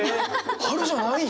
春じゃないん？